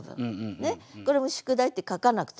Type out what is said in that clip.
これも「宿題」って書かなくても分かる。